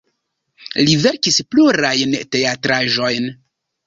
Li verkis plurajn teatraĵojn.